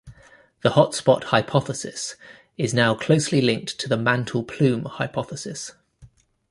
The hotspot hypothesis is now closely linked to the mantle plume hypothesis.